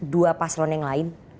dua paslon yang lain